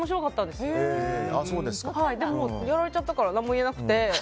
でも、やられちゃったから何も言えなくて。